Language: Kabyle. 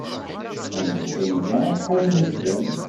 Ad neqqim da acḥal n wussan.